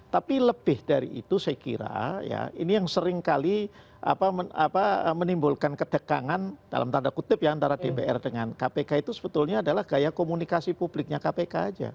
tapi lebih dari itu saya kira ya ini yang seringkali menimbulkan kedekangan dalam tanda kutip ya antara dpr dengan kpk itu sebetulnya adalah gaya komunikasi publiknya kpk aja